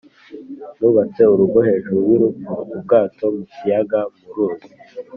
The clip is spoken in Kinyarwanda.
Nubatse urugo hejuru y'urupfu-Ubwato mu kiyaga (mu ruzi)